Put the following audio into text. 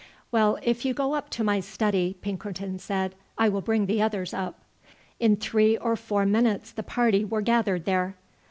"Well, if you go up to my study," Pinkerton said, "I will bring the others up." In three or four minutes the party were gathered there.